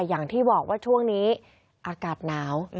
อย่างที่บอกว่าช่วงนี้อากาศหนาว